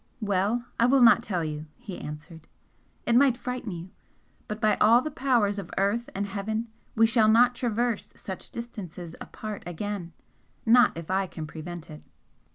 "Well, I will not tell you!" he answered "It might frighten you! But by all the powers of earth and heaven, we shall not traverse such distances apart again not if I can prevent it!"